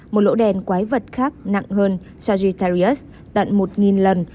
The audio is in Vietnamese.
một lỗ đen quái vật khác nặng hơn sartorius tận một lần